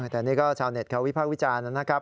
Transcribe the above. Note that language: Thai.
แต่นี่ก็ชาวเน็ตเขาวิพากษ์วิจารณ์นะครับ